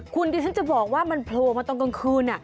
คุณดิฉันจะบอกว่ามันโผล่มาตอนกลางคืน